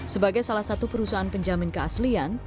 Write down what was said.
sebagai salah satu perusahaan penjamin keaslian